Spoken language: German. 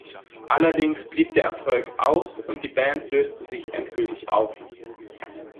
Allerdings blieb der Erfolg aus und die Band löste sich endgültig auf.